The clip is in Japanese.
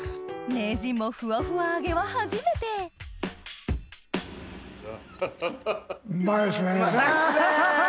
名人もふわふわ揚げは初めてうまいですね！